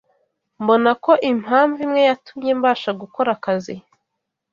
Mbona ko impamvu imwe yatumye mbasha gukora akazi